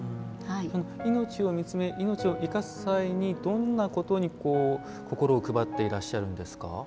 命を見つめ命を生かす際にどんなことに心を配ってらっしゃるんですか。